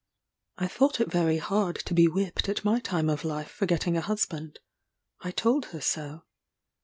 I thought it very hard to be whipped at my time of life for getting a husband I told her so.